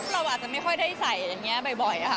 เราอาจจะไม่ค่อยได้ใส่อย่างนี้บ่อยค่ะ